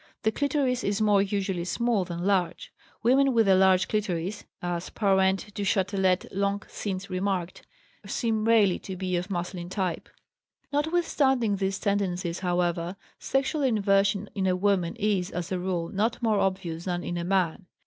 The clitoris is more usually small than large; women with a large clitoris (as Parent Duchâtelet long since remarked) seem rarely to be of masculine type. Notwithstanding these tendencies, however, sexual inversion in a woman is, as a rule, not more obvious than in a man.